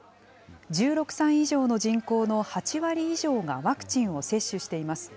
１６歳以上の人口の８割以上がワクチンを接種しています。